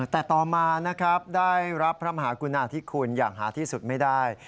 แต่ต่อมานะครับได้รับพระมหากุณาธิคุณอย่างหาที่สุดไม่ได้